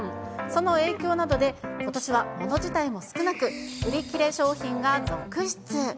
その影響などで、ことしは物自体も少なく、売り切れ商品が続出。